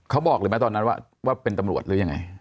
เขาบอกเลยไหมตอนนั้นว่าเป็นตำรวจหรือยังไง